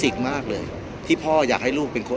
พี่อัดมาสองวันไม่มีใครรู้หรอก